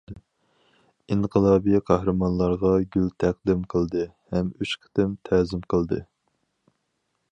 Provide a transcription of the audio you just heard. ئىنقىلابىي قەھرىمانلارغا گۈل تەقدىم قىلدى ھەم ئۈچ قېتىم تەزىم قىلدى.